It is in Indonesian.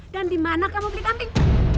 dan dimana kamu beli kambing